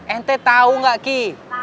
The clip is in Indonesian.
ente tau nggak ki